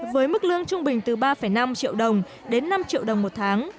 với mức lương trung bình từ ba năm triệu đồng đến năm triệu đồng một tháng